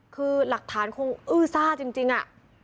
คือหลักฐานคงอื้อซ่าจริง